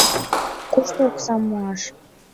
Кушто оксам муаш?